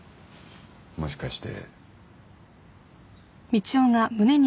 もしかして。